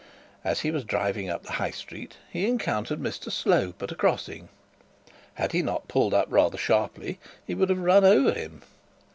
As he was driving up the High Street he encountered Mr Slope at a crossing. Had he not pulled up rather sharply, he would have run over him.